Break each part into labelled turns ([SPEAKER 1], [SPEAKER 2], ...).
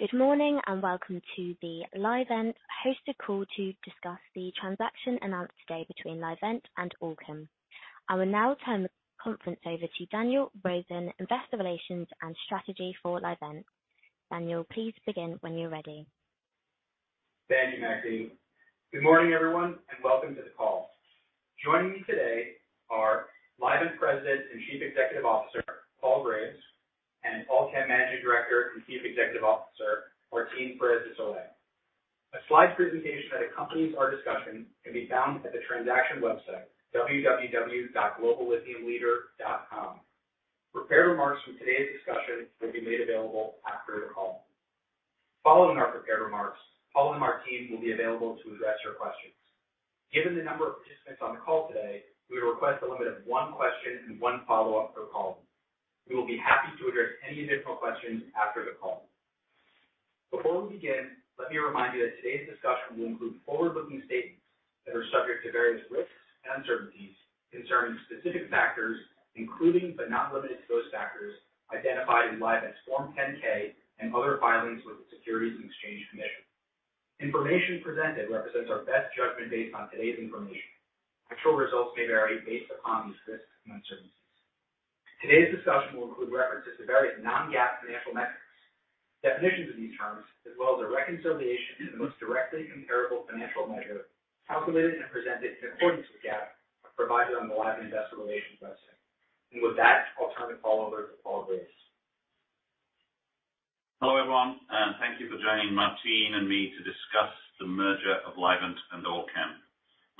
[SPEAKER 1] Good morning. Welcome to the Livent hosted call to discuss the transaction announced today between Livent and Allkem. I will now turn the conference over to Daniel Rosen, Investor Relations and Strategy for Livent. Daniel, please begin when you're ready.
[SPEAKER 2] Thank you, Maxine. Good morning, everyone, and welcome to the call. Joining me today are Livent President and Chief Executive Officer, Paul Graves, and Allkem Managing Director and Chief Executive Officer, Martín Pérez de Solay. A slide presentation that accompanies our discussion can be found at the transaction website www.globallithiumleader.com. Prepared remarks from today's discussion will be made available after the call. Following our prepared remarks, Paul and Martín will be available to address your questions. Given the number of participants on the call today, we request a limit of one question and one follow-up per call. We will be happy to address any additional questions after the call. Before we begin, let me remind you that today's discussion will include forward-looking statements that are subject to various risks and uncertainties concerning specific factors, including, but not limited to, those factors identified in Livent's Form 10-K and other filings with the Securities and Exchange Commission. Information presented represents our best judgment based on today's information. Actual results may vary based upon these risks and uncertainties. Today's discussion will include references to various non-GAAP financial metrics. Definitions of these terms, as well as a reconciliation to the most directly comparable financial measure calculated and presented in accordance with GAAP, are provided on the Livent investor relations website. With that, I'll turn the call over to Paul Graves.
[SPEAKER 3] Hello, everyone, thank you for joining Martín and me to discuss the merger of Livent and Allkem.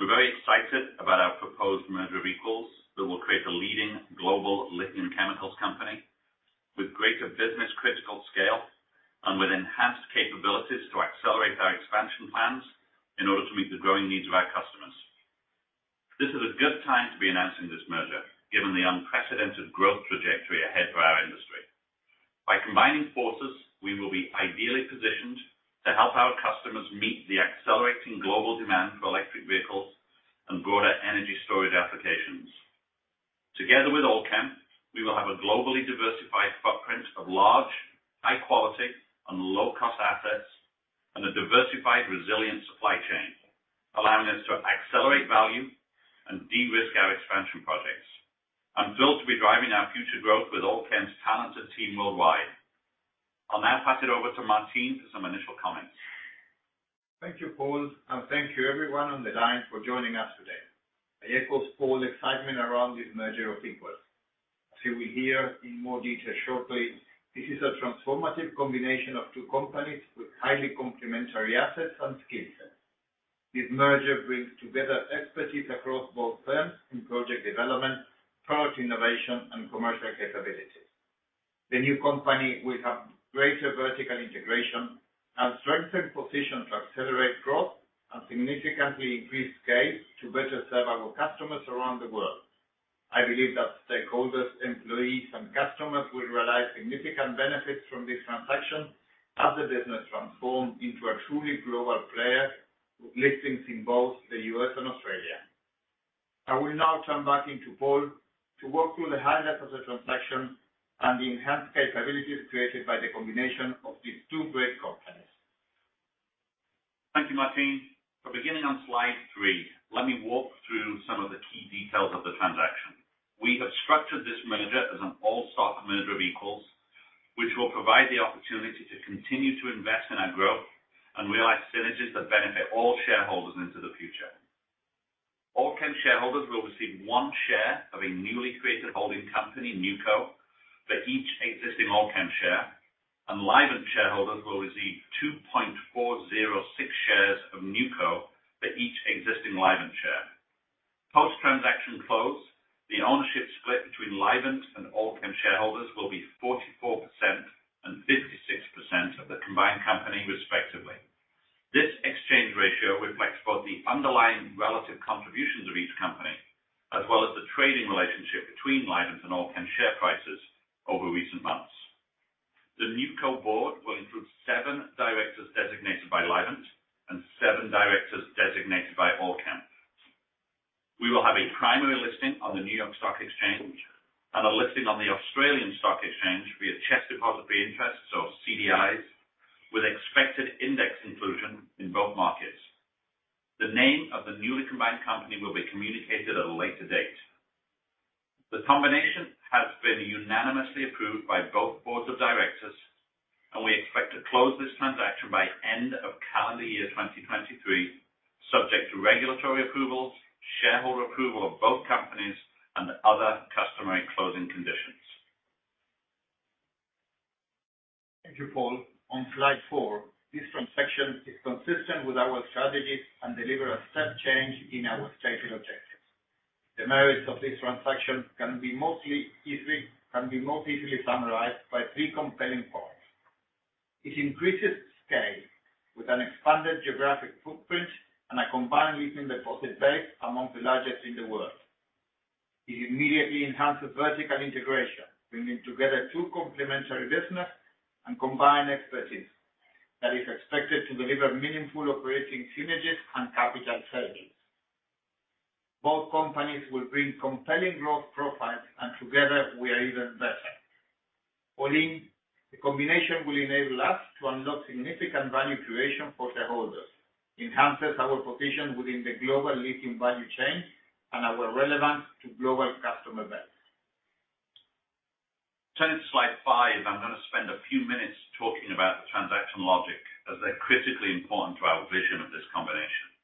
[SPEAKER 3] We're very excited about our proposed merger of equals that will create a leading global lithium chemicals company with greater business critical scale and with enhanced capabilities to accelerate our expansion plans in order to meet the growing needs of our customers. This is a good time to be announcing this merger given the unprecedented growth trajectory ahead for our industry. By combining forces, we will be ideally positioned to help our customers meet the accelerating global demand for electric vehicles and broader energy storage applications. Together with Allkem, we will have a globally diversified footprint of large, high-quality and low-cost assets and a diversified, resilient supply chain, allowing us to accelerate value and de-risk our expansion projects. I'm thrilled to be driving our future growth with Allkem's talented team worldwide. I'll now pass it over to Martín for some initial comments.
[SPEAKER 4] Thank you, Paul, and thank you everyone on the line for joining us today. I echo Paul's excitement around this merger of equals. As you will hear in more detail shortly, this is a transformative combination of two companies with highly complementary assets and skill sets. This merger brings together expertise across both firms in project development, product innovation, and commercial capabilities. The new company will have greater vertical integration and strengthened position to accelerate growth and significantly increase scale to better serve our customers around the world. I believe that stakeholders, employees and customers will realize significant benefits from this transaction as the business transforms into a truly global player with listings in both the U.S. and Australia. I will now turn back into Paul to walk through the highlights of the transaction and the enhanced capabilities created by the combination of these two great companies.
[SPEAKER 3] Thank you, Martín. Beginning on slide three, let me walk through some of the key details of the transaction. We have structured this merger as an all-stock merger of equals, which will provide the opportunity to continue to invest in our growth and realize synergies that benefit all shareholders into the future. Allkem shareholders will receive 1 share of a newly created holding company, NewCo, for each existing Allkem share, and Livent shareholders will receive 2.406 shares of NewCo for each existing Livent share. Post-transaction close, the ownership split between Livent and Allkem shareholders will be 44% and 56% of the combined company, respectively. This exchange ratio reflects both the underlying relative contributions of each company, as well as the trading relationship between Livent and Allkem share prices over recent months. The NewCo board will include seven directors designated by Livent and seven directors designated by Allkem. We will have a primary listing on the New York Stock Exchange and a listing on the Australian Securities Exchange via CHESS Depositary Instruments or CDIs, with expected index inclusion in both markets. The name of the newly combined company will be communicated at a later date. The combination has been unanimously approved by both boards of directors, and we expect to close this transaction by end of calendar year 2023, subject to regulatory approvals, shareholder approval of both companies, and other customary closing conditions.
[SPEAKER 4] Thank you, Paul. On slide four, this transaction is consistent with our strategy and deliver a step change in our stated objectives. The merits of this transaction can be most easily summarized by three compelling points. It increases scale with an expanded geographic footprint and a combined lithium deposit base among the largest in the world. It immediately enhances vertical integration, bringing together two complementary business and combined expertise that is expected to deliver meaningful operating synergies and capital savings. Together we are even better. All in, the combination will enable us to unlock significant value creation for shareholders, enhances our position within the global lithium value chain and our relevance to global customer base.
[SPEAKER 3] Turning to slide five. I'm gonna spend a few minutes talking about the transaction logic as they're critically important to our vision of this combination.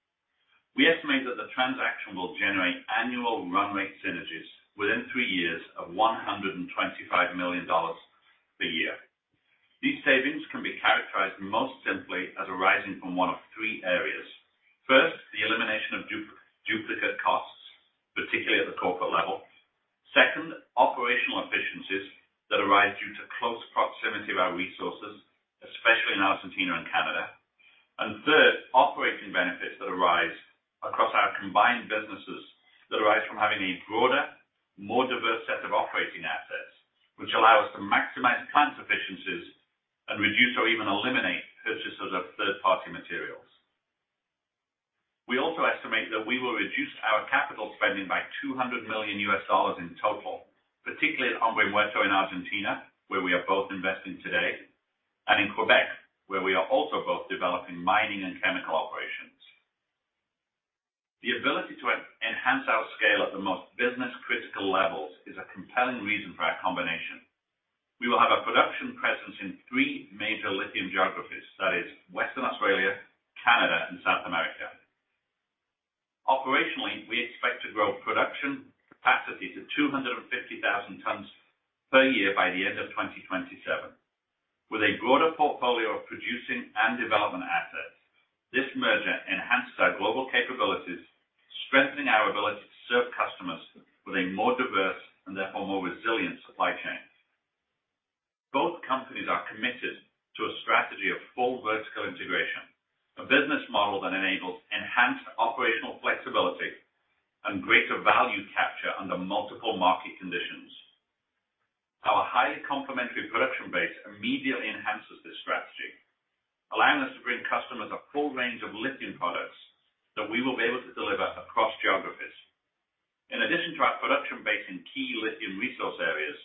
[SPEAKER 3] We estimate that the transaction will generate annual run rate synergies within three years of $125 million per year. These savings can be characterized most simply as arising from one of three areas. First, the elimination of duplicate costs, particularly at the corporate level. Second, operational efficiencies that arise due to close proximity of our resources, especially in Argentina and Canada. Third, operating benefits that arise across our combined businesses that arise from having a broader, more diverse set of operating assets, which allow us to maximize plant efficiencies and reduce or even eliminate purchases of third-party materials. We also estimate that we will reduce our capital spending by $200 million in total, particularly at Hombre Muerto in Argentina, where we are both investing today, and in Quebec, where we are also both developing mining and chemical operations. The ability to enhance our scale at the most business critical levels is a compelling reason for our combination. We will have a production presence in three major lithium geographies, that is Western Australia, Canada and South America. Operationally, we expect to grow production capacity to 250,000 tons per year by the end of 2027. With a broader portfolio of producing and development assets, this merger enhances our global capabilities, strengthening our ability to serve customers with a more diverse and therefore more resilient supply chains. Both companies are committed to a strategy of full vertical integration, a business model that enables enhanced operational flexibility and greater value capture under multiple market conditions. Our highly complementary production base immediately enhances this strategy, allowing us to bring customers a full range of lithium products that we will be able to deliver across geographies. In addition to our production base in key lithium resource areas,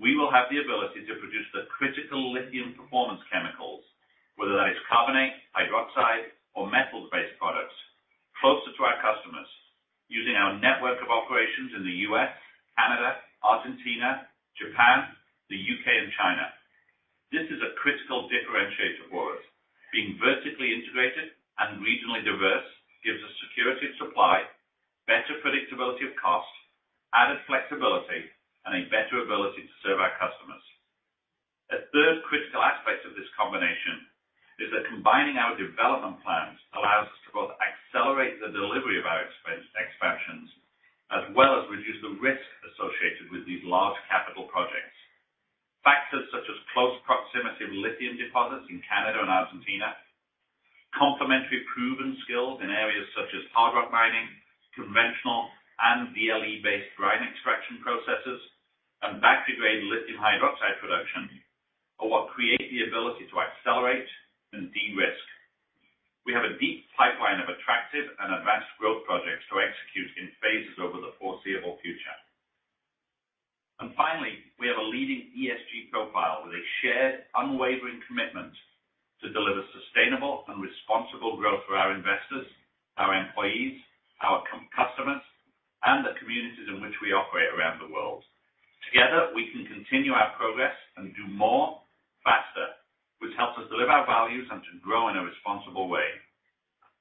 [SPEAKER 3] we will have the ability to produce the critical lithium performance chemicals, whether that is carbonate, hydroxide or metals-based products, closer to our customers using our network of operations in the U.S., Canada, Argentina, Japan, the U.K. and China. This is a critical differentiator for us. Being vertically integrated and regionally diverse gives us security of supply, better predictability of costs, added flexibility and a better ability to serve our customers. A third critical aspect of this combination is that combining our development plans allows us to both accelerate the delivery of our expansions, as well as reduce the risk associated with these large capital projects. Factors such as close proximity of lithium deposits in Canada and Argentina, complementary proven skills in areas such as hard rock mining, conventional and DLE-based brine extraction processes, and battery-grade lithium hydroxide production are what create the ability to accelerate and de-risk. We have a deep pipeline of attractive and advanced growth projects to execute in phases over the foreseeable future. We have a leading ESG profile with a shared, unwavering commitment to deliver sustainable and responsible growth for our investors, our employees, our customers, and the communities in which we operate around the world. Together, we can continue our progress and do more faster, which helps us deliver our values and to grow in a responsible way.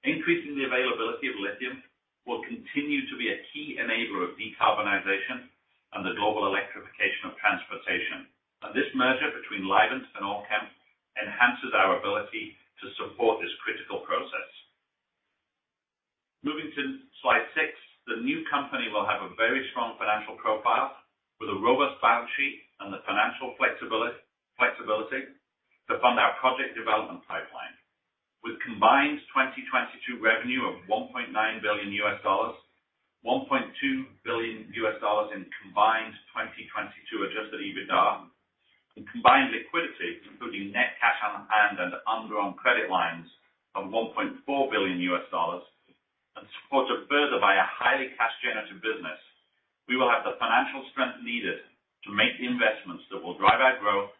[SPEAKER 3] Increasing the availability of lithium will continue to be a key enabler of decarbonization and the global electrification of transportation. This merger between Livent and Allkem enhances our ability to support this critical process. Moving to slide six. The new company will have a very strong financial profile with a robust balance sheet and the financial flexibility to fund our project development pipeline. With combined 2022 revenue of $1.9 billion, $1.2 billion in combined 2022 adjusted EBITDA and combined liquidity, including net cash on hand and undrawn credit lines of $1.4 billion, and supported further by a highly cash generative business, we will have the financial strength needed to make the investments that will drive our growth,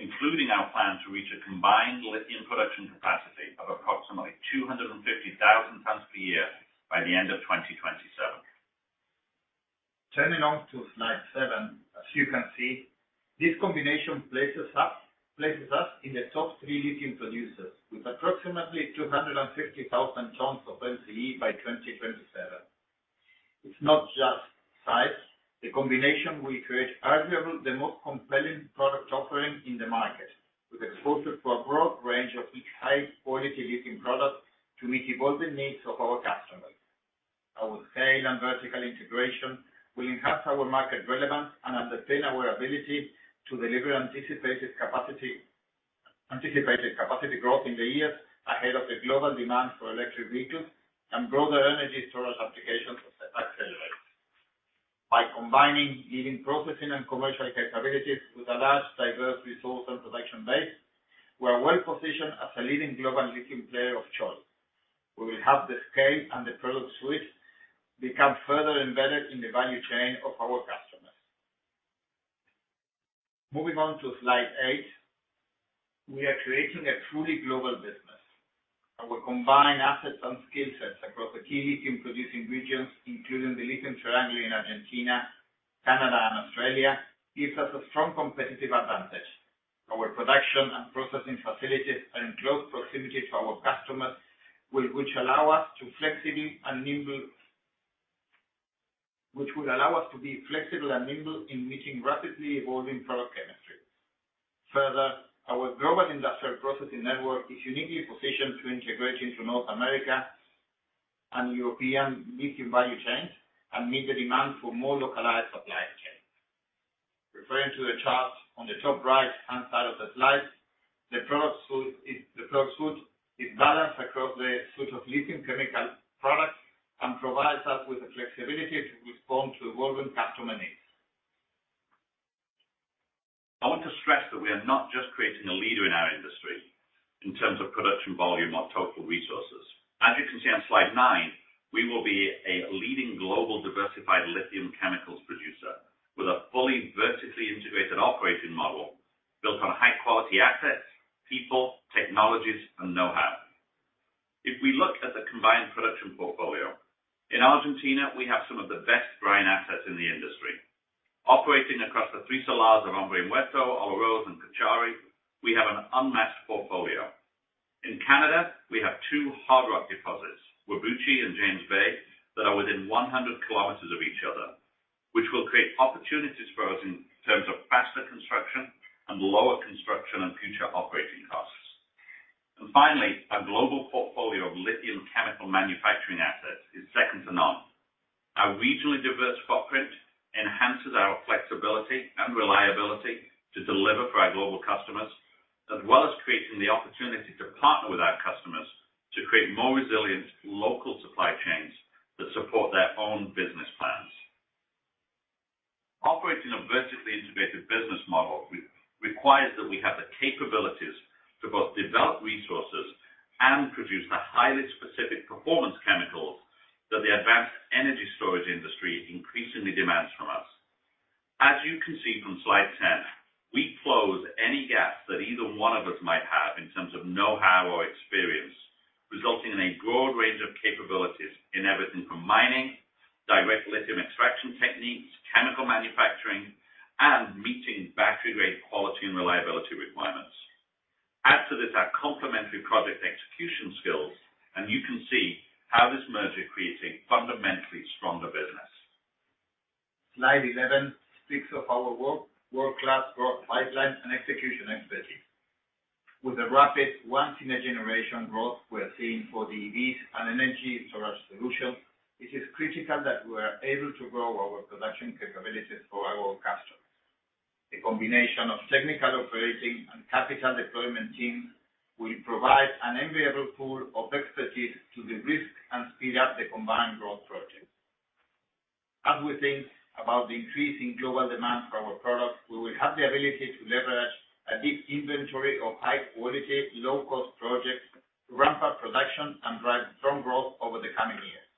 [SPEAKER 3] including our plan to reach a combined lithium production capacity of approximately 250,000 tons per year by the end of 2027.
[SPEAKER 4] Turning on to slide seven. As you can see, this combination places us in the top three lithium producers with approximately 250,000 tons of LCE by 2027. It's not just size. The combination will create arguably the most compelling product offering in the market, with exposure to a broad range of each high-quality lithium product to meet evolving needs of our customers. Our scale and vertical integration will enhance our market relevance and underpin our ability to deliver anticipated capacity growth in the years ahead of the global demand for electric vehicles and broader energy storage applications that accelerate. By combining leading processing and commercial capabilities with a large diverse resource and production base, we are well positioned as a leading global lithium player of choice. We will have the scale and the product suite become further embedded in the value chain of our customers. Moving on to slide 8. We are creating a truly global business. Our combined assets and skill sets across the key lithium producing regions, including the Lithium Triangle in Argentina, Canada and Australia, gives us a strong competitive advantage. Our production and processing facilities are in close proximity to our customers, which will allow us to be flexible and nimble in meeting rapidly evolving product chemistry. Further, our global industrial processing network is uniquely positioned to integrate into North America and European lithium value chains and meet the demand for more localized supply chains. Referring to the chart on the top right-hand side of the slide, the product suite is balanced across the suite of lithium chemical products and provides us with the flexibility to respond to evolving customer needs.
[SPEAKER 3] I want to stress that we are not just creating a leader in our industry in terms of production volume or total resources. As you can see on slide 9, we will be a leading global diversified lithium chemicals producer with a fully vertically integrated operating model built on high-quality assets, people, technologies, and know-how. If we look at the combined production portfolio, in Argentina, we have some of the best brine assets in the industry. Operating across the three salars of Hombre Muerto, Olaroz, and Cauchari, we have an unmatched portfolio. In Canada, we have two hard-rock deposits, Whabouchi and James Bay, that are within 100 km of each other, which will create opportunities for us in terms of faster construction and lower construction and future operating costs. Finally, our global portfolio of lithium chemical manufacturing assets is second to none. Our regionally diverse footprint enhances our flexibility and reliability to deliver for our global customers, as well as creating the opportunity to partner with our customers to create more resilient local supply chains that support their own business plans. Operating a vertically integrated business model requires that we have the capabilities to both develop resources and produce the highly specific performance chemicals that the advanced energy storage industry increasingly demands from us. As you can see from slide 10, we close any gaps that either one of us might have in terms of know-how or experience, resulting in a broad range of capabilities in everything from mining, Direct Lithium Extraction techniques, chemical manufacturing, and meeting battery-grade quality and reliability requirements. Add to this our complementary project execution skills. You can see how this merger creates a fundamentally stronger business.
[SPEAKER 4] Slide 11 speaks of our world-class growth pipelines and execution expertise. With the rapid once in a generation growth we are seeing for the EVs and energy storage solutions, it is critical that we are able to grow our production capabilities for our customers. The combination of technical operating and capital deployment teams will provide an enviable pool of expertise to de-risk and speed up the combined growth project. As we think about the increasing global demand for our products, we will have the ability to leverage a deep inventory of high quality, low cost projects to ramp up production and drive strong growth over the coming years.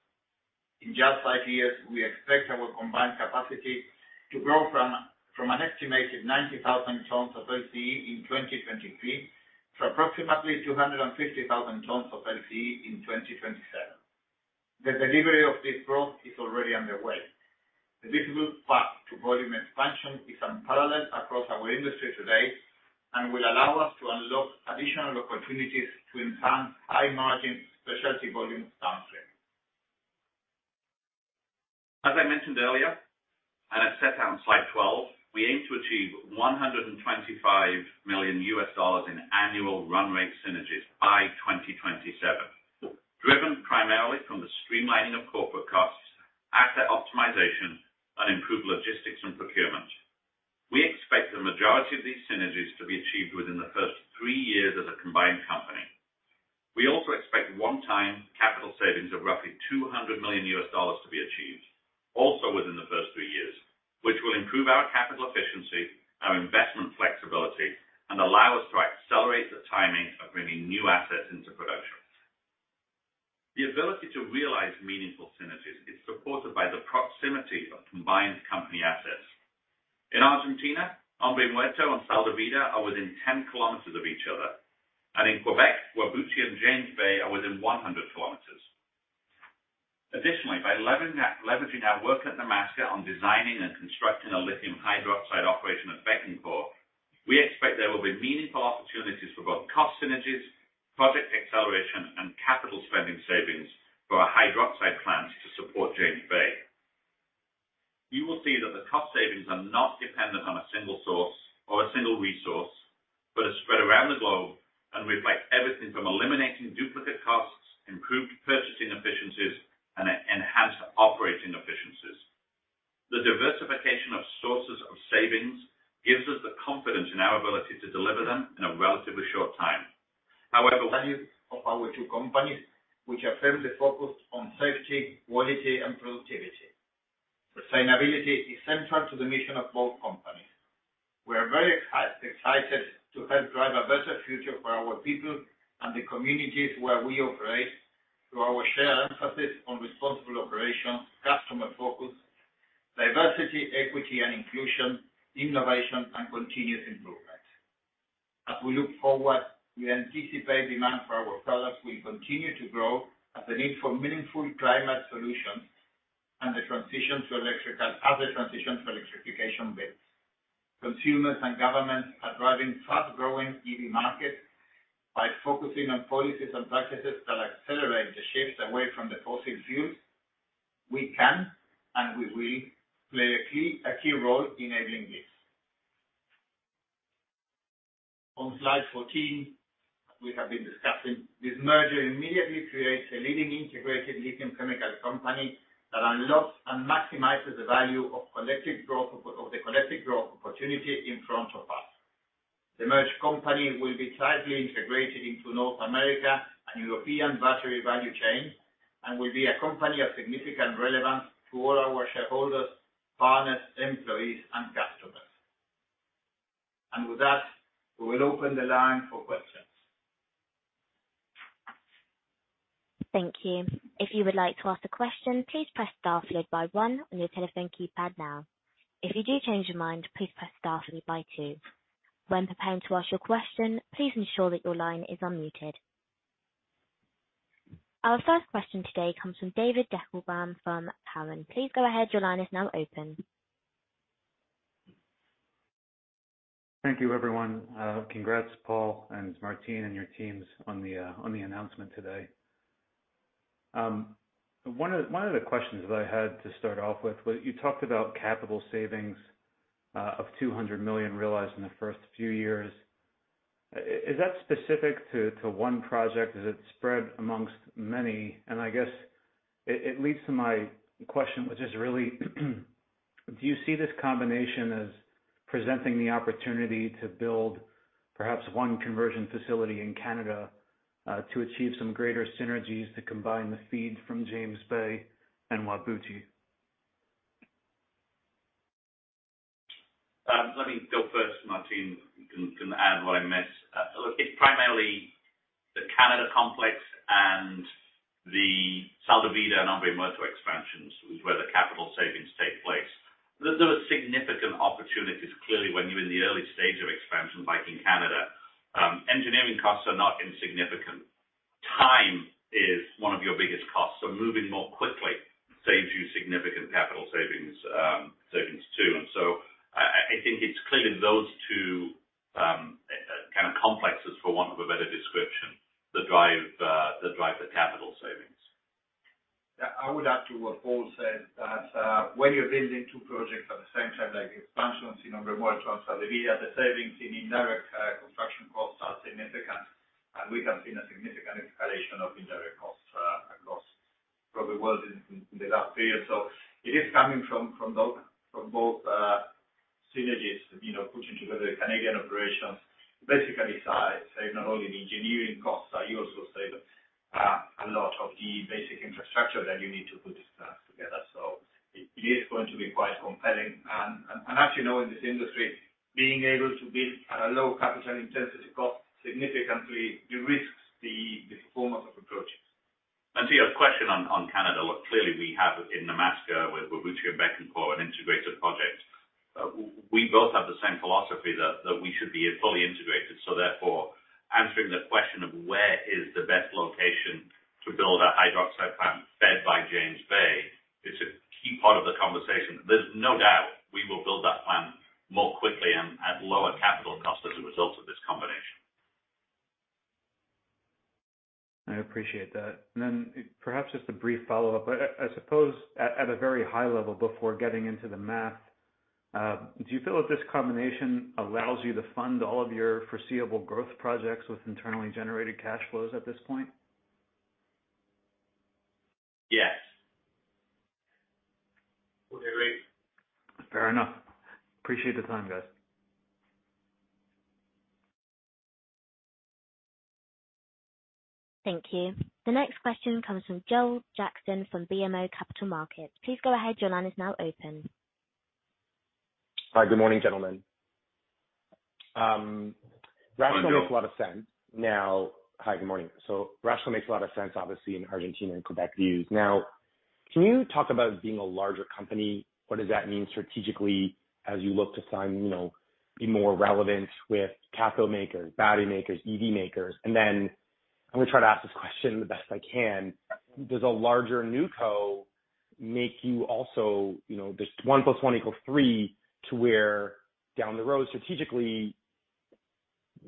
[SPEAKER 4] In just five years, we expect our combined capacity to grow from an estimated 90,000 tons of LCE in 2023 to approximately 250,000 tons of LCE in 2027. The delivery of this growth is already underway. The visible path to volume expansion is unparalleled across our industry today and will allow us to unlock additional opportunities to enhance high margin specialty volumes downstream.
[SPEAKER 3] As I mentioned earlier, and as set out in slide 12, we aim to achieve $125 million in annual run rate synergies by 2027, driven primarily from the streamlining of corporate costs, asset optimization, and improved logistics and procurement. We expect the majority of these synergies to be achieved within the first three years as a combined company. We also expect one-time capital savings of roughly $200 million to be achieved, also within the first three years, which will improve our capital efficiency, our investment flexibility, and allow us to accelerate the timing of bringing new assets into production. The ability to realize meaningful synergies is supported by the proximity of combined company assets. In Argentina, Hombre Muerto and Sal de Vida are within 10 km of each other. In Quebec, Whabouchi and James Bay are within 100 km. Additionally, by leveraging our work at Nemaska on designing and constructing a lithium hydroxide operation at Bécancour, we expect there will be meaningful opportunities for both cost synergies, project acceleration, and capital spending savings for our hydroxide plants to support James Bay. You will see that the cost savings are not dependent on a single source or a single resource, but are spread around the globe and reflect everything from eliminating duplicate costs, improved purchasing efficiencies, and enhanced operating efficiencies. The diversification savings gives us the confidence in our ability to deliver them in a relatively short time. However, values of our two companies, which are firmly focused on safety, quality, and productivity. Sustainability is central to the mission of both companies. We are very excited to help drive a better future for our people and the communities where we operate through our shared emphasis on responsible operations, customer focus, diversity, equity and inclusion, innovation, and continuous improvement. As we look forward, we anticipate demand for our products will continue to grow as the need for meaningful climate solutions and as the transition to electrification builds. Consumers and governments are driving fast-growing EV markets by focusing on policies and practices that accelerate the shift away from the fossil fuels. We can, and we will, play a key role in enabling this. On slide 14, as we have been discussing, this merger immediately creates a leading integrated lithium chemical company that unlocks and maximizes the value of the collective growth opportunity in front of us. The merged company will be tightly integrated into North America and European battery value chains and will be a company of significant relevance to all our shareholders, partners, employees and customers. With that, we will open the line for questions.
[SPEAKER 1] Thank you. If you would like to ask a question, please press star followed by one on your telephone keypad now. If you do change your mind, please press star followed by two. When preparing to ask your question, please ensure that your line is unmuted. Our first question today comes from David Deckelbaum from Cowen. Please go ahead. Your line is now open.
[SPEAKER 5] Thank you, everyone. Congrats, Paul and Martín and your teams on the announcement today. One of the questions that I had to start off with, what you talked about capital savings of $200 million realized in the first few years. Is that specific to one project? Is it spread amongst many? I guess it leads to my question, which is really, do you see this combination as presenting the opportunity to build perhaps one conversion facility in Canada to achieve some greater synergies to combine the feeds from James Bay and Whabouchi?
[SPEAKER 3] Let me go first. can add what I miss. Look, it's primarily the Canada complex and the Sal de Vida and Hombre Muerto expansions is where the capital savings take place. Those are significant opportunities. Clearly, when you're in the early stage of expansion, like in Canada, engineering costs are not insignificant. Time is one of your biggest costs. Moving more quickly saves you significant capital savings too. I think it's clearly those two, kind of complexes, for want of a better description, that drive the capital savings.
[SPEAKER 4] Yeah, I would add to what Paul said, that when you're building two projects at the same time, like expansions in Hombre Muerto and Sal de Vida, the savings in indirect construction costs are significant. We have seen a significant escalation of indirect costs across probably world in the last period. It is coming from both, synergies, you know, putting together Canadian operations, basically size. You not only the engineering costs, you also save a lot of the basic infrastructure that you need to put together. It is going to be quite compelling. As you know, in this industry, being able to build at a low capital intensity cost significantly de-risks the performance of the projects.
[SPEAKER 3] To your question on Canada, look, clearly we have in Nemaska with Whabouchi and Bécancour an integrated project. We both have the same philosophy that we should be fully integrated. Therefore, answering the question of where is the best location to build a hydroxide plant fed by James Bay is a key part of the conversation. There's no doubt we will build that plant more quickly and at lower capital cost as a result of this combination.
[SPEAKER 5] I appreciate that. Perhaps just a brief follow-up. I suppose at a very high level before getting into the math, do you feel that this combination allows you to fund all of your foreseeable growth projects with internally generated cash flows at this point?
[SPEAKER 3] Yes.
[SPEAKER 4] Would agree.
[SPEAKER 5] Fair enough. Appreciate the time, guys.
[SPEAKER 1] Thank you. The next question comes from Joel Jackson from BMO Capital Markets. Please go ahead. Your line is now open.
[SPEAKER 6] Hi. Good morning, gentlemen. rational makes a lot of sense now.
[SPEAKER 3] Good morning, Joel.
[SPEAKER 6] Hi, good morning. Rationale makes a lot of sense, obviously, in Argentina and Quebec views. Can you talk about being a larger company, what does that mean strategically as you look to sign, you know, be more relevant with cathode makers, battery makers, EV makers? I'm gonna try to ask this question the best I can. Does a larger newCo make you also, you know, this one plus one equals three, to where down the road, strategically,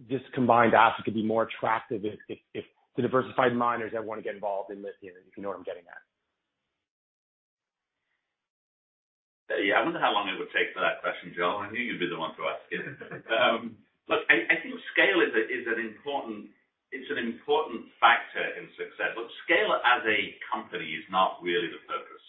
[SPEAKER 6] this combined asset could be more attractive if the diversified miners ever want to get involved in lithium? If you know what I'm getting at.
[SPEAKER 3] Yeah. I wonder how long it would take for that question, Joel. I knew you'd be the one to ask it. Look, I think scale is an important. It's an important factor in success, but scale as a company is not really the purpose.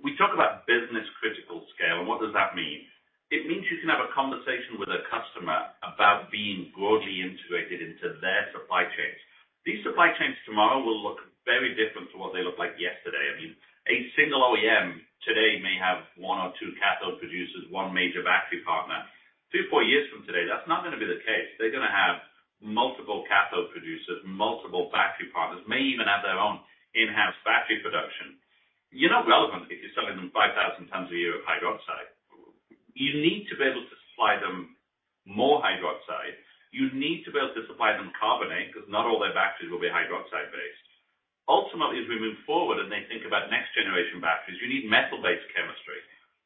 [SPEAKER 3] We talk about business critical scale, and what does that mean? It means you can have a conversation with a customer about being broadly integrated into their supply chains. These supply chains tomorrow will look very different to what they looked like yesterday. I mean, a single OEM today may have one or two cathode producers, one major battery partner. Three, four years from today, that's not gonna be the case. They're gonna have multiple cathode producers, multiple battery partners, may even have their own in-house battery production. You're not relevant if you're selling them 5,000 tons a year of hydroxide. You need to be able to supply them more hydroxide. You need to be able to supply them carbonate because not all their batteries will be hydroxide-based. Ultimately, as we move forward and they think about next-generation batteries, you need metal-based chemistry.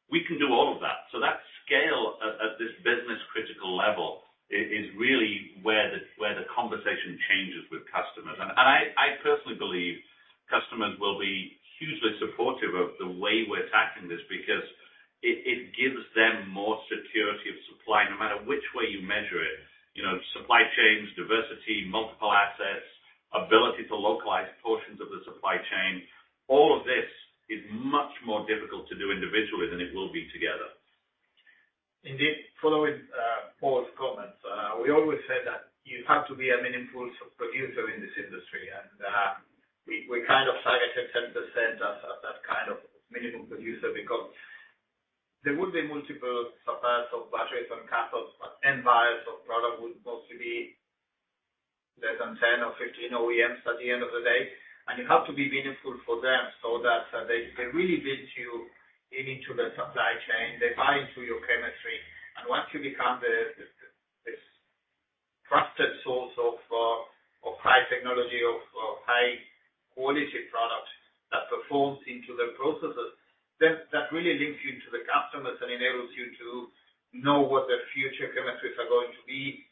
[SPEAKER 3] We can do all of that. That scale at this business critical level is really where the conversation changes with customers. I personally believe customers will be hugely supportive of the way we're tackling this because it gives them more security of supply, no matter which way you measure it. You know, supply chains, diversity, multiple assets, ability to localize portions of the supply chain, all of this is much more difficult to do individually than it will be together.
[SPEAKER 4] Indeed. Following Paul's comments, we always said that you have to be a meaningful producer in this industry. We kind of targeted 10% as that kind of minimum producer because there would be multiple suppliers of batteries and cathodes, but end buyers of product would mostly be less than 10 or 15 OEMs at the end of the day. You have to be meaningful for them so that they really build you into the supply chain. They buy into your chemistry. Once you become this trusted source of high technology, of high quality product that performs into their processes, then that really links you to the customers and enables you to know what the future chemistries are going to be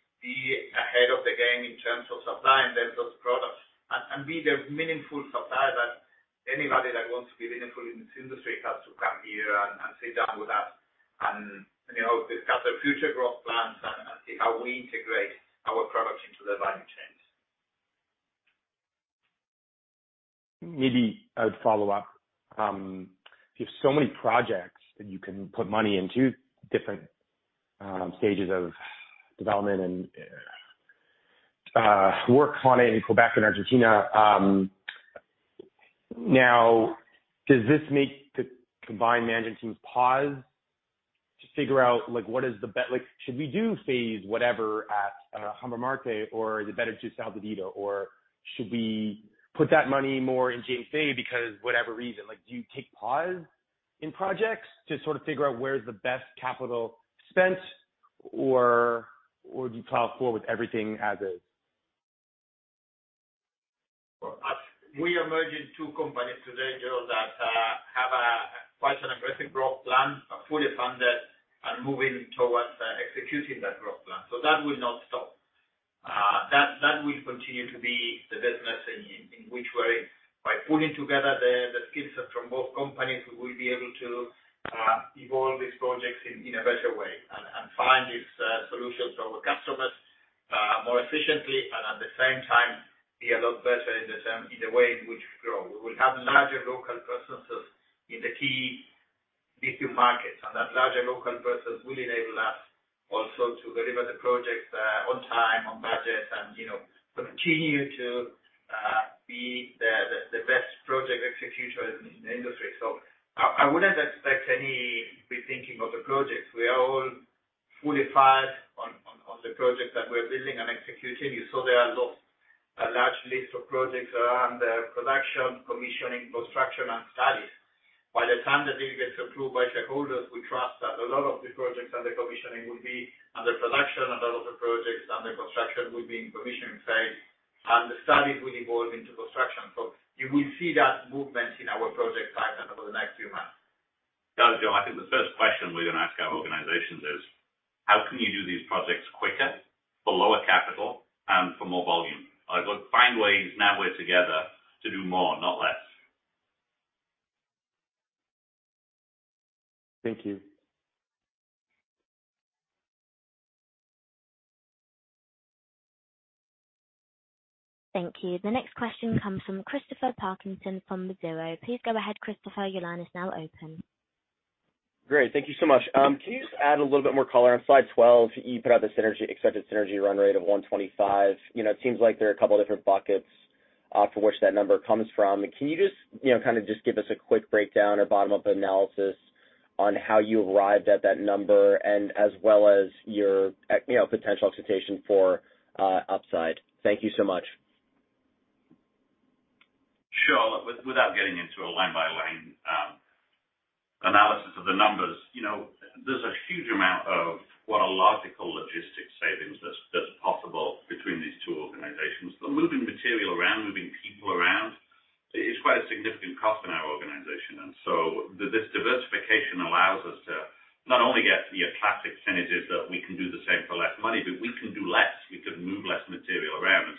[SPEAKER 4] ahead of the game in terms of supplying them those products and be their meaningful supplier that anybody that wants to be meaningful in this industry has to come to you and sit down with us and, you know, discuss their future growth plans and see how we integrate our products into their value chains.
[SPEAKER 6] Maybe I would follow up. You have so many projects that you can put money into different stages of development and work on it in Quebec and Argentina. Now, does this make the combined management teams pause to figure out like what is the like, should we do phase whatever at Hombre Muerto, or is it better to do Sao Benedito, or should we put that money more in James Bay because whatever reason? Like, do you take pause in projects to sort of figure out where's the best capital spent, or would you plow forward with everything as is?
[SPEAKER 4] We are merging two companies today, Joel, that have a quite an aggressive growth plan, are fully funded and moving towards executing that growth plan. That will not stop. That will continue to be the business in which we're in. By pulling together the skill set from both companies, we will be able to evolve these projects in a better way and find these solutions for our customers more efficiently, and at the same time, be a lot better in the way in which we grow. We will have larger local processes in the key lithium markets, and that larger local presence will enable us also to deliver the projects on time, on budget and, you know, continue to be the best project executioner in the industry. I wouldn't expect any rethinking of the projects. We are all fully fired on the projects that we're building and executing. You saw there a large list of projects around production, commissioning, construction, and studies. By the time the deal gets approved by shareholders, we trust that a lot of the projects under commissioning will be under production, a lot of the projects under construction will be in commissioning phase, and the studies will evolve into construction. You will see that movement in our project cycle over the next few months.
[SPEAKER 3] No, Gerald, I think the first question we're gonna ask our organizations is: How can you do these projects quicker for lower capital and for more volume? Find ways now we're together to do more, not less.
[SPEAKER 6] Thank you.
[SPEAKER 1] Thank you. The next question comes from Christopher Parkinson from Mizuho. Please go ahead, Christopher. Your line is now open.
[SPEAKER 7] Great. Thank you so much. Can you just add a little bit more color? On slide 12, you put out the accepted synergy run rate of 125. You know, it seems like there are a couple different buckets from which that number comes from. Can you just, you know, kind of just give us a quick breakdown or bottom-up analysis on how you arrived at that number and as well as your, you know, potential excitation for upside. Thank you so much.
[SPEAKER 3] Sure. Without getting into a line-by-line analysis of the numbers, you know, there's a huge amount of what a lot of people logistics savings that's possible between these two organizations. Moving material around, moving people around is quite a significant cost in our organization. This diversification allows us to not only get the classic synergies that we can do the same for less money, but we can do less. We can move less material around.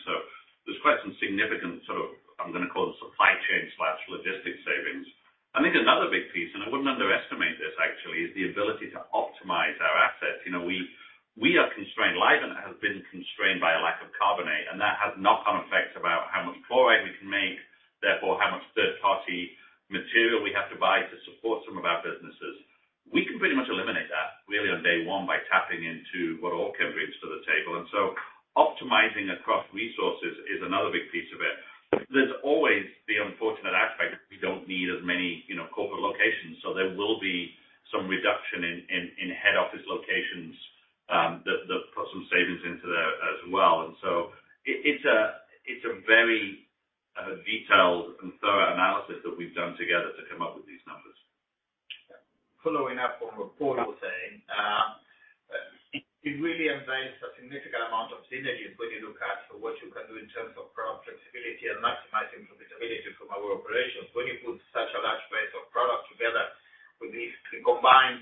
[SPEAKER 3] There's quite some significant sort of, I'm gonna call it supply chain/logistics savings. I think another big piece, and I wouldn't underestimate this actually, is the ability to optimize our assets. You know, we are constrained. Livent has been constrained by a lack of carbonate, and that has knock-on effects about how much chloride we can make, therefore how much third-party material we have to buy to support some of our businesses. We can pretty much eliminate that really on day one by tapping into what Allkem brings to the table. Optimizing across resources is another big piece of it. There's always the unfortunate aspect that we don't need as many, you know, corporate locations, so there will be some reduction in head office locations that put some savings into there as well. It's a very detailed and thorough analysis that we've done together to come up with these numbers.
[SPEAKER 4] Following up on what Paul was saying, it really invites a significant amount of synergies when you look at what you can do in terms of product flexibility and maximizing profitability from our operations. When you put such a large base of product together with the combined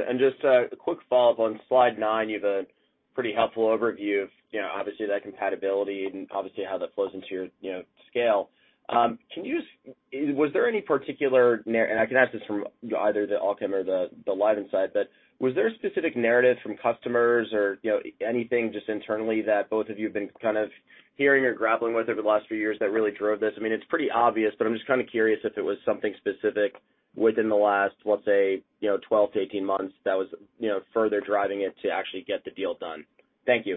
[SPEAKER 4] base of processing plants that we would have, it is a lot that you can do beyond the synergies that have been outlined here.
[SPEAKER 7] Understood. Just a quick follow-up. On slide 9, you have a pretty helpful overview of, you know, obviously that compatibility and obviously how that flows into your, you know, scale. Was there any particular nar... I can ask this from either the Allkem or the Livent side, but was a specific narrative from customers or, you know, anything just internally that both of you have been kind of hearing or grappling with over the last few years that really drove this? I mean, it's pretty obvious, but I'm just kind of curious if it was something specific within the last, let's say, you know, 12-18 months that was, you know, further driving it to actually get the deal done. Thank you.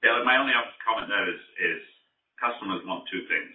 [SPEAKER 3] Yeah. Look, my only other comment there is customers want two things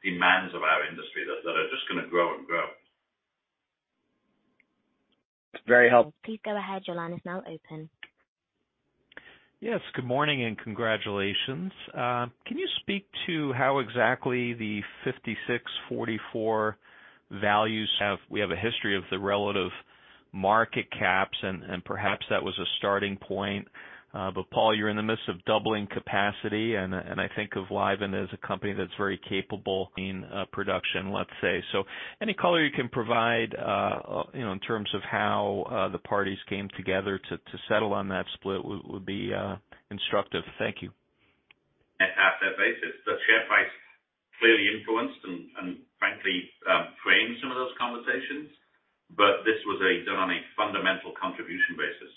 [SPEAKER 3] commercial demands of our industry that are just gonna grow and grow.
[SPEAKER 7] It's very helpful.
[SPEAKER 1] Please go ahead. Your line is now open.
[SPEAKER 8] Yes. Good morning and congratulations. Can you speak to how exactly the 56-44 values have... We have a history of the relative market caps and perhaps that was a starting point. But Paul, you're in the midst of doubling capacity, and I think of Livent as a company that's very capable in production, let's say. Any color you can provide, you know, in terms of how the parties came together to settle on that split would be instructive. Thank you.
[SPEAKER 3] An asset basis. The share price clearly influenced and frankly, framed some of those conversations. This was a done on a fundamental contribution basis.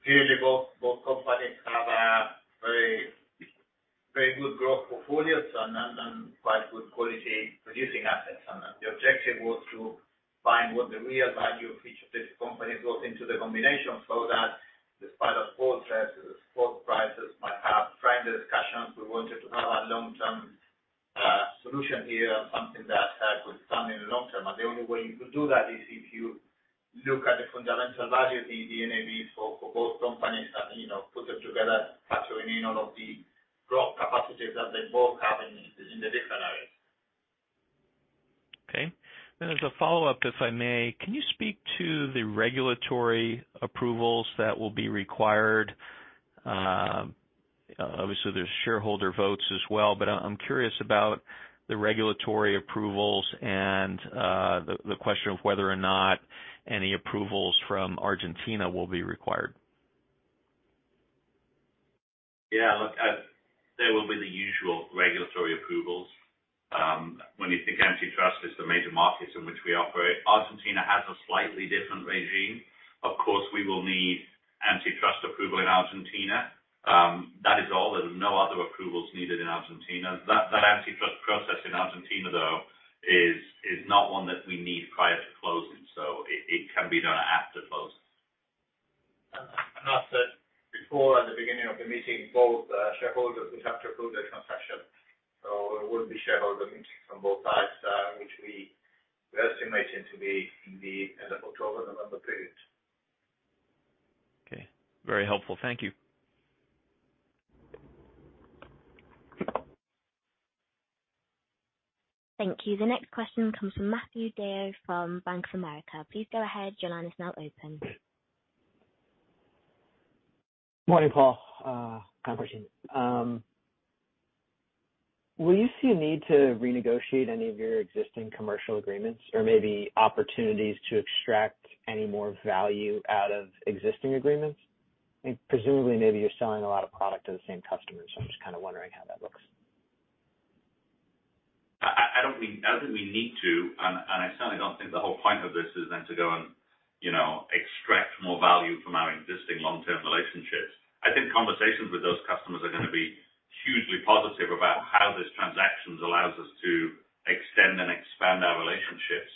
[SPEAKER 4] Clearly both companies have a very good growth portfolios and quite good quality producing assets. The objective was to find what the real value of each of these companies brought into the combination so that despite us both said both prices might have framed the discussions, we wanted to have a long-term solution here and something that could stand in the long term. The only way you could do that is if you look at the fundamental value, the NAV for both companies and, you know, put them together, factoring in all of
[SPEAKER 8] Very helpful. Thank you.
[SPEAKER 1] Thank you. The next question comes from Matthew DeYoe from Bank of America. Please go ahead. Your line is now open.
[SPEAKER 9] Morning, Paul. Will you see a need to renegotiate any of your existing commercial agreements or maybe opportunities to extract any more value out of existing agreements? I think presumably maybe you're selling a lot of product to the same customers. I'm just kinda wondering how that looks.
[SPEAKER 3] I don't think we need to, and I certainly don't think the whole point of this is then to go and, you know, extract more value from our existing long-term relationships. I think conversations with those customers are gonna be hugely positive about how this transactions allows us to extend and expand our relationships.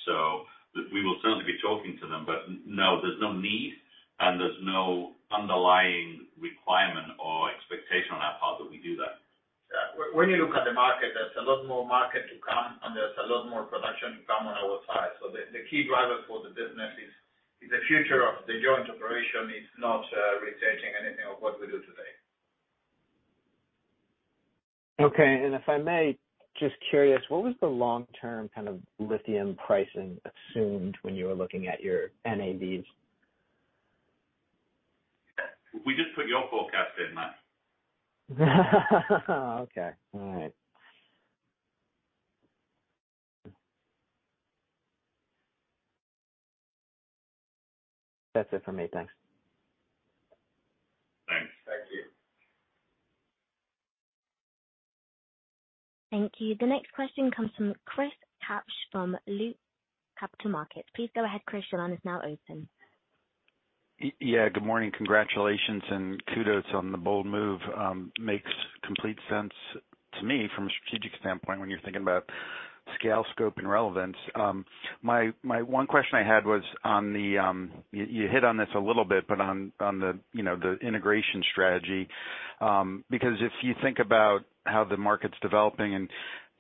[SPEAKER 3] We will certainly be talking to them. No, there's no need and there's no underlying requirement or expectation on our part that we do that.
[SPEAKER 4] Yeah. When you look at the market, there's a lot more market to come, and there's a lot more production to come on our side. The key driver for the business is the future of the joint operation is not retaining anything of what we do today.
[SPEAKER 9] Okay. If I may, just curious, what was the long-term kind of lithium pricing assumed when you were looking at your NAVs?
[SPEAKER 3] We just put your forecast in that.
[SPEAKER 9] Okay. All right. That's it for me. Thanks.
[SPEAKER 3] Thanks.
[SPEAKER 4] Thank you.
[SPEAKER 1] Thank you. The next question comes from Chris Kapsch from Loop Capital Markets. Please go ahead, Chris. Your line is now open.
[SPEAKER 10] Yeah, good morning. Congratulations and kudos on the bold move. makes complete sense to me from a strategic standpoint when you're thinking about scale, scope, and relevance. My, my one question I had was on the, you hit on this a little bit, but on the, you know, the integration strategy, because if you think about how the market's developing and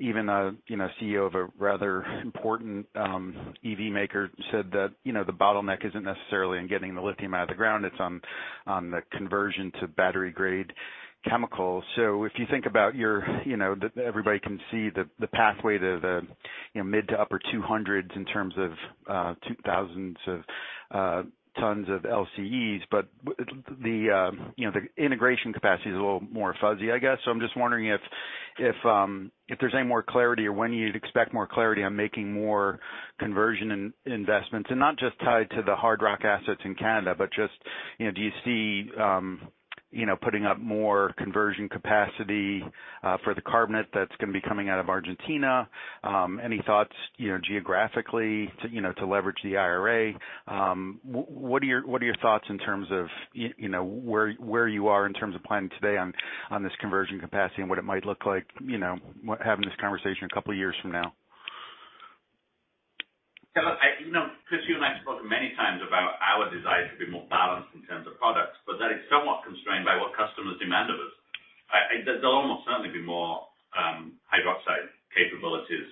[SPEAKER 10] even a, you know, CEO of a rather important EV maker said that, you know, the bottleneck isn't necessarily in getting the lithium out of the ground, it's on the conversion to battery grade chemicals. If you think about your, you know, everybody can see the pathway to the, you know, mid to upper 200s in terms of 2,000s of tons of LCEs. The, you know, the integration capacity is a little more fuzzy, I guess. I'm just wondering if there's any more clarity or when you'd expect more clarity on making more conversion investments and not just tied to the hard rock assets in Canada, just, you know, do you see, you know, putting up more conversion capacity for the carbonate that's gonna be coming out of Argentina, any thoughts, you know, geographically to, you know, to leverage the IRA, what are your, what are your thoughts in terms of, you know, where you are in terms of planning today on this conversion capacity and what it might look like, you know, having this conversation a couple years from now?
[SPEAKER 3] You know, Chris, you and I have spoken many times about our desire to be more balanced in terms of products, but that is somewhat constrained by what customers demand of us. There'll almost certainly be more hydroxide capabilities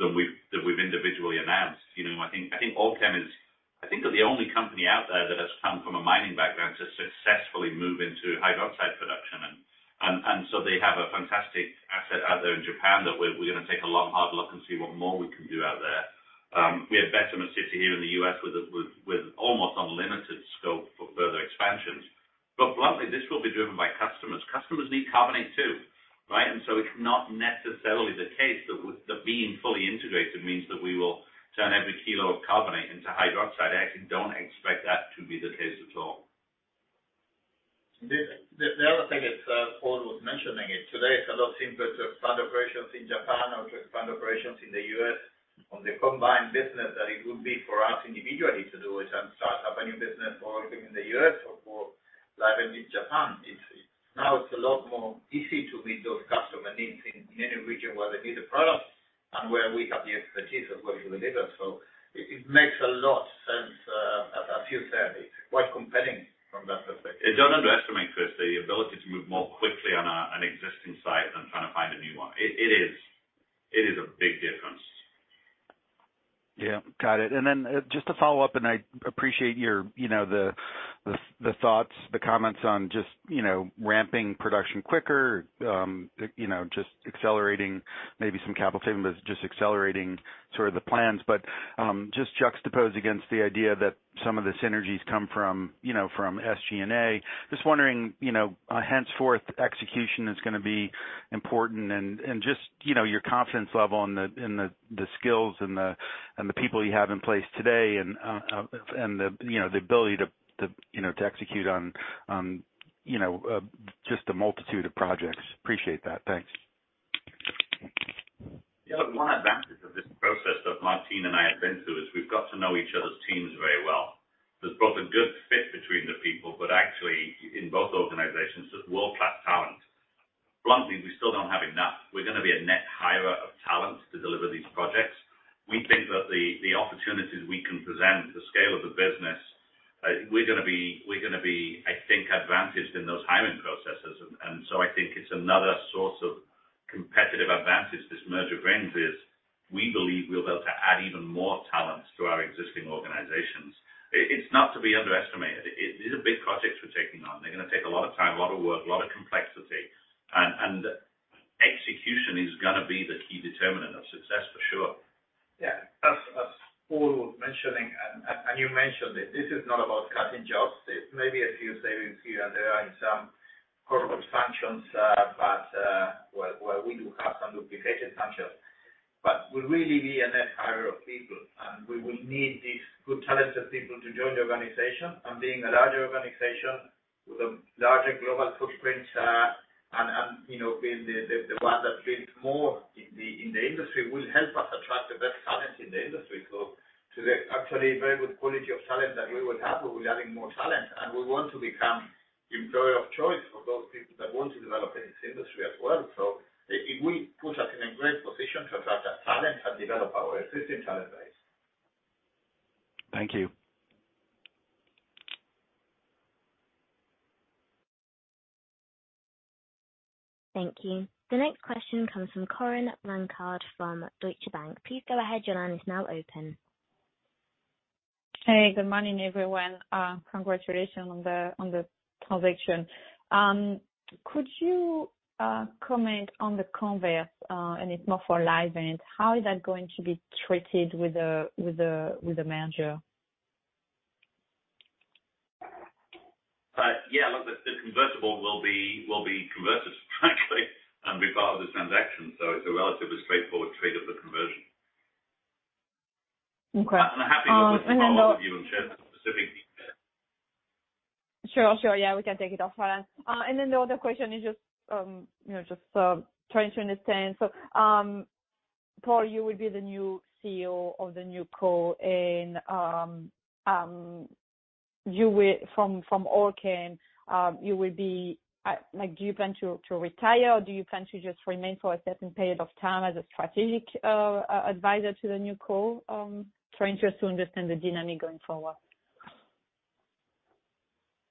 [SPEAKER 3] than we've individually announced. You know, I think Orocobre is, I think they're the only company out there that has come from a mining background to successfully move into hydroxide production. They have a fantastic asset out there in Japan that we're gonna take a long, hard look and see what more we can do out there. We have Bessemer City here in the U.S. with a, with almost unlimited scope for further expansions. Bluntly, this will be driven by customers. Customers need carbonate too, right? It's not necessarily the case that that being fully integrated means that we will turn every kilo of carbonate into hydroxide. I actually don't expect that to be the case at all.
[SPEAKER 4] The other thing that Paul was mentioning is today it's a lot simpler to fund operations in Japan or to fund operations in the US on the combined business than it would be for us individually to do it and start up a new business, or in the US or for Livent in Japan. Now it's a lot more easy to meet those customer needs in any region where they need a product and where we have the expertise of what to deliver. It makes a lot sense, as you said, it's quite compelling from that perspective.
[SPEAKER 3] Don't underestimate, Chris, the ability to move more quickly on an existing site than trying to find a new one. It is a big difference.
[SPEAKER 10] Yeah. Got it. Just to follow up, and I appreciate your, you know, the, the thoughts, the comments on just, you know, ramping production quicker, just accelerating maybe some capital, just accelerating sort of the plans. Just juxtapose against the idea that some of the synergies come from, you know, from SG&A. Just wondering, you know, henceforth execution is gonna be important and just, you know, your confidence level in the, in the skills and the, and the people you have in place today and the, you know, the ability to, you know, to execute on, you know, just the multitude of projects. Appreciate that. Thanks.
[SPEAKER 3] Yeah. One advantage of this process that Martín and I have been through is we've got to know each other's teams very well. There's both a good fit between the people, but actually in both organizations, there's world-class talent. Bluntly, we still don't have enough. We're gonna be a net hirer of talent to deliver these projects. We think that the opportunities we can present, the scale of the business, we're gonna be, I think, advantaged in those hiring processes. I think it's another source of competitive advantage this merger brings is we believe we'll be able to add even more talents to our existing organizations. It's not to be underestimated. These are big projects we're taking on. They're gonna take a lot of time, a lot of work, a lot of complexity, and execution is gonna be the key determinant of success for sure.
[SPEAKER 4] Yeah. As Paul was mentioning, and you mentioned it, this is not about cutting jobs. It may be a few savings here and there in some functions, but where we do have some duplicated functions. We'll really be a net hire of people, and we will need these good talented people to join the organization. Being a larger organization with a larger global footprint, and, you know, being the one that fits more in the industry will help us attract the best talent in the industry. To the actually very good quality of talent that we will have, we'll be adding more talent, and we want to become employer of choice for those people that want to develop in this industry as well. It will put us in a great position to attract that talent and develop our existing talent base.
[SPEAKER 3] Thank you.
[SPEAKER 1] Thank you. The next question comes from Corinne Blanchard from Deutsche Bank. Please go ahead. Your line is now open.
[SPEAKER 11] Hey, good morning, everyone. Congratulations on the transaction. Could you comment on the converts, and it's more for Livent. How is that going to be treated with the merger?
[SPEAKER 3] Yeah, look, the convertible will be converted frankly, and be part of the transaction. It's a relatively straightforward trade of the conversion.
[SPEAKER 11] Okay.
[SPEAKER 3] I'm happy to follow up with you and share the specific details.
[SPEAKER 11] Sure, sure, yeah, we can take it offline. The other question is, you know, trying to understand. Paul, you will be the new CEO of the NewCo and From Allkem, you will be like do you plan to retire or do you plan to just remain for a certain period of time as a strategic advisor to the NewCo? Trying to understand the dynamic going forward.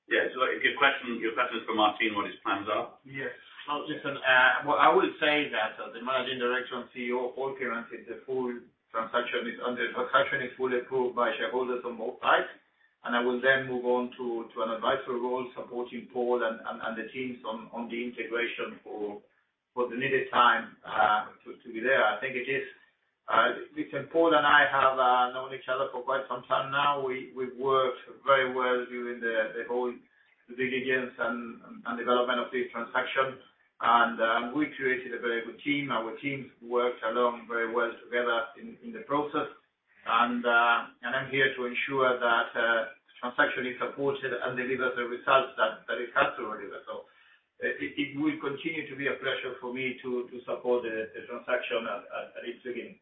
[SPEAKER 3] Yeah. Your question is for Martín, what his plans are?
[SPEAKER 4] Yes. Well, listen. What I will say is that as the Managing Director and CEO of Allkem until the full transaction is fully approved by shareholders on both sides, I will then move on to an advisory role supporting Paul and the teams on the integration for the needed time to be there. I think it is. Listen, Paul and I have known each other for quite some time now. We've worked very well during the whole due diligence and development of this transaction. We created a very good team. Our teams worked along very well together in the process. I'm here to ensure that transaction is supported and delivers the results that it has to deliver. It will continue to be a pleasure for me to support the transaction at its beginning.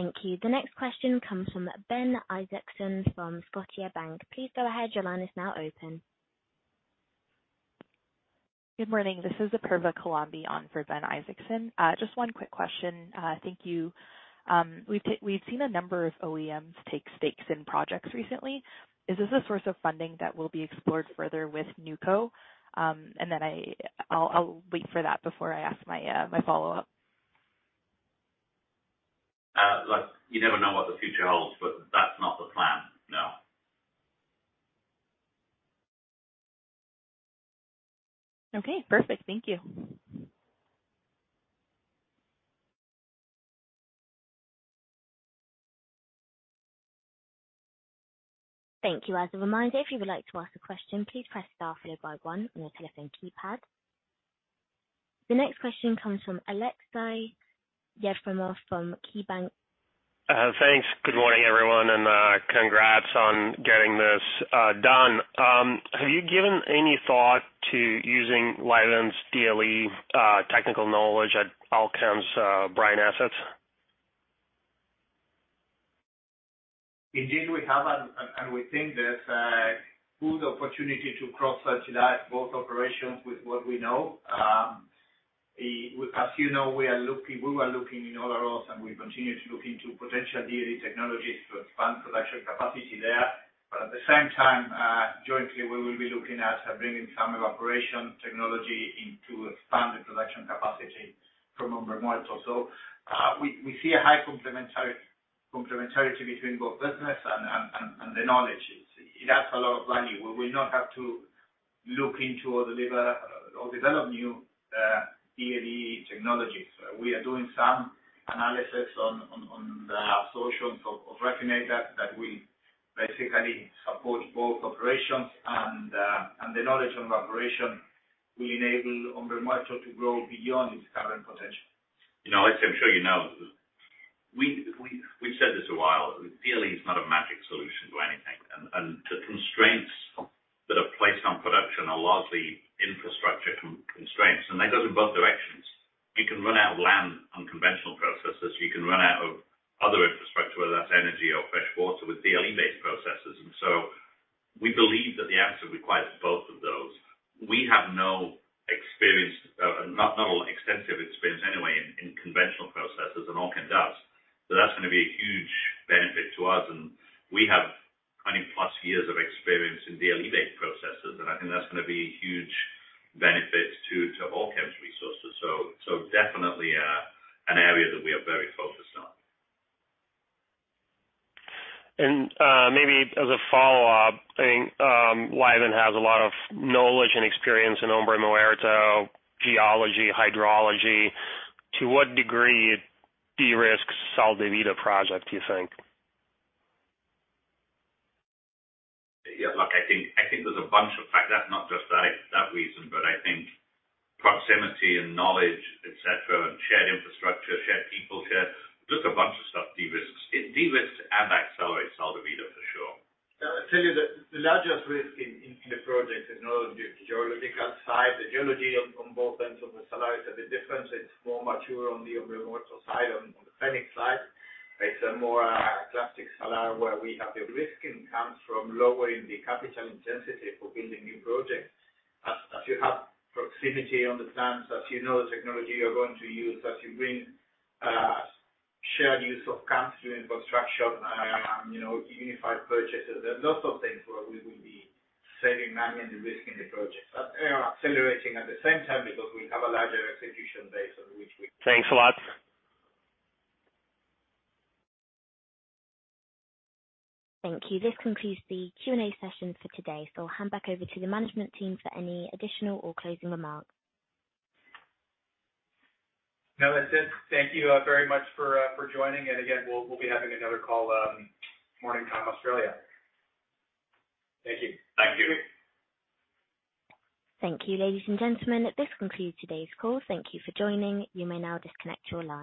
[SPEAKER 1] Thank you. The next question comes from Ben Isaacson from Scotiabank. Please go ahead. Your line is now open.
[SPEAKER 12] Good morning. This is Apurva Kilambi on for Ben Isaacson. Just one quick question. Thank you. We've seen a number of OEMs take stakes in projects recently. Is this a source of funding that will be explored further with NewCo? I'll wait for that before I ask my follow-up.
[SPEAKER 3] Look, you never know what the future holds, but that's not the plan, no.
[SPEAKER 12] Okay, perfect. Thank you.
[SPEAKER 1] Thank you. As a reminder, if you would like to ask a question, please press star followed by 1 on your telephone keypad. The next question comes from Aleksey Yefremov from KeyBanc.
[SPEAKER 13] Thanks. Good morning, everyone, and congrats on getting this done. Have you given any thought to using Livent's DLE technical knowledge at Allkem's brine assets?
[SPEAKER 4] Indeed, we have and we think there's a good opportunity to cross-fertilize both operations with what we know. As you know, we are looking, we were looking in Olaroz, and we continue to look into potential DLE technologies to expand production capacity there. At the same time, jointly, we will be looking at bringing some evaporation technology in to expand the production capacity from Hombre Muerto. We see a high complementarity between both business and the knowledge. It adds a lot of value. We will not have to look into or deliver or develop new DLE technologies. We are doing some analysis on the associations of evaporators that will basically support both operations and the knowledge on evaporation will enable Hombre Muerto to grow beyond its current potential.
[SPEAKER 3] You know, Aleksey, I'm sure you know, we've said this a while. DLE is not a magic solution to anything. The constraints that are placed on production are largely infrastructure constraints, and that goes in both directions. You can run out of land on conventional processes. You can run out of other infrastructure, whether that's energy or fresh water with DLE-based processes. We believe that the answer requires both of those. We have no experience, not a lot of extensive experience anyway in conventional processes, and Allkem does. That's gonna be a huge benefit to us, and we have 20-plus years of experience in DLE-based processes, and I think that's gonna be a huge benefit to Allkem's resources. Definitely an area that we are very focused on.
[SPEAKER 13] Maybe as a follow-up, I think, Livent has a lot of knowledge and experience in Hombre Muerto, geology, hydrology. To what degree it de-risks Sal de Vida project, do you think?
[SPEAKER 3] Yeah. Look, I think there's a bunch of factors, not just that reason, but I think proximity and knowledge, et cetera, and shared infrastructure, shared people, shared... Just a bunch of stuff de-risks. It de-risks and accelerates Sal de Vida for sure.
[SPEAKER 4] I'll tell you the largest risk in the project is not on the geological side. The geology on both ends of the salar is a bit different. It's more mature on the Hombre Muerto side. On the Fenix side, it's a more classic salar where we have the risk, and it comes from lowering the capital intensity for building new projects. As you have proximity on the plans, as you know the technology you're going to use, as you bring shared use of camps, doing construction, you know, unified purchases. There are lots of things where we will be saving money and de-risking the projects. Accelerating at the same time because we have a larger execution base on which.
[SPEAKER 13] Thanks a lot.
[SPEAKER 1] Thank you. This concludes the Q&A session for today. I'll hand back over to the management team for any additional or closing remarks.
[SPEAKER 14] No, that's it. Thank you, very much for joining. Again, we'll be having another call, morning time Australia. Thank you.
[SPEAKER 3] Thank you.
[SPEAKER 1] Thank you, ladies and gentlemen. This concludes today's call. Thank you for joining. You may now disconnect your line.